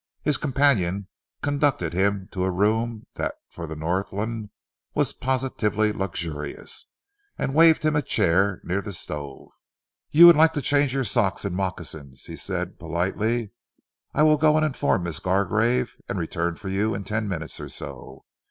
His companion conducted him to a room that for the Northland was positively luxurious, and waved him a chair near the stove. "You will like to change your socks and moccasins," he said politely. "I will go and inform Miss Gargrave, and return for you in ten minutes or so.